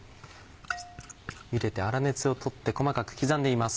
茹でて粗熱をとって細かく刻んでいます。